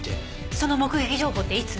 その目撃情報っていつ？